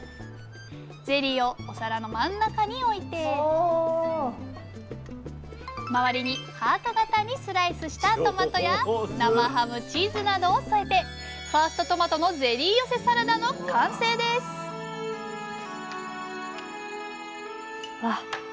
ゼリーをお皿の真ん中に置いて周りにハート形にスライスしたトマトや生ハムチーズなどを添えて「ファーストトマトのゼリー寄せサラダ」の完成ですわっ